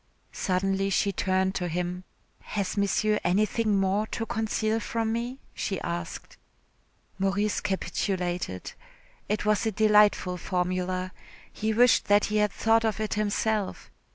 Suddenly she turned to him. "Has Monsieur anything more to conceal from me?" she asked. Maurice capitulated. It was a delightful formula. He wished that he had thought of it himself.